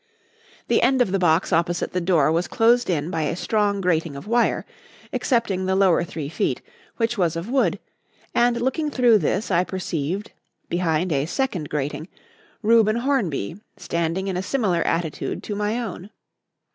The end of the box opposite the door was closed in by a strong grating of wire excepting the lower three feet, which was of wood and looking through this, I perceived, behind a second grating, Reuben Hornby, standing in a similar attitude to my own.